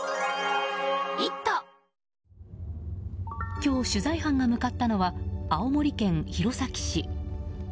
今日、取材班が向かったのは青森県弘前市。